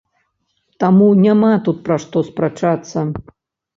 Таму, няма тут пра што спрачацца.